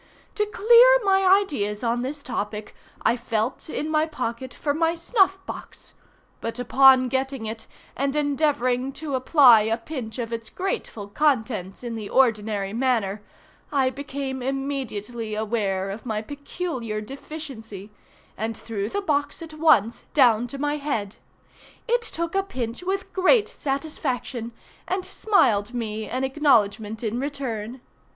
To clear my ideas on this topic I felt in my pocket for my snuff box, but, upon getting it, and endeavoring to apply a pinch of its grateful contents in the ordinary manner, I became immediately aware of my peculiar deficiency, and threw the box at once down to my head. It took a pinch with great satisfaction, and smiled me an acknowledgement in return.